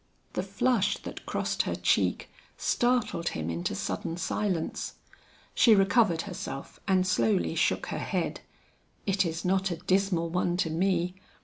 The flush that crossed her cheek, startled him into sudden silence. She recovered herself and slowly shook her head. "It is not a dismal one to me.